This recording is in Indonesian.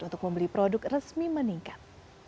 untuk membeli produk resmi meningkat